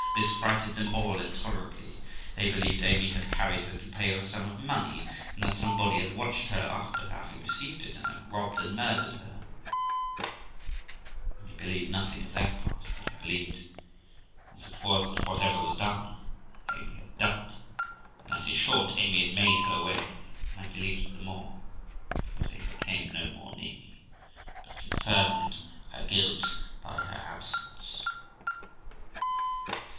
This frighted them all intolerably. They be lieved Amy had carried her to pay her a sum of money, and that some body had watched her after her having received it, and had robbed and murdered her, I believed nothing of that part; but I believed, as it was, that whatever was done, Amy had done it; and that, in short, Amy had made her away; and I believed it the more, because Amy came no more near me, but confirmed her guilt by her absence.